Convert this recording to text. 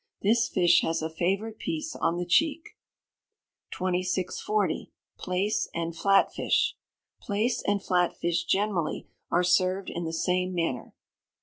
This fish has a favourite piece on the cheek. 2640. Plaice and Flat fish. Plaice and flat fish generally, are served in the same manner.